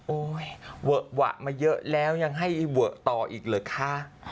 โอ้ยเวอะวะมาเยอะแล้วยังให้เวอะต่ออีกเลยค่ะ